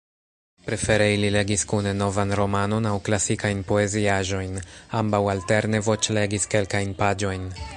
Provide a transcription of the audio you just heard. Prefere ili legis kune novan romanon aŭ klasikajn poeziaĵojn; ambaŭ alterne voĉlegis kelkajn paĝojn.